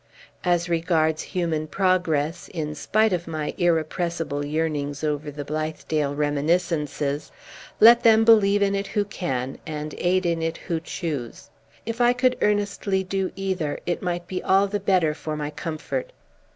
As regards human progress (in spite of my irrepressible yearnings over the Blithedale reminiscences), let them believe in it who can, and aid in it who choose. If I could earnestly do either, it might be all the better for my comfort.